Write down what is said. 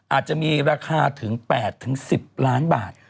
อาจจะมีราคาถึง๘๑๐ล้านบาท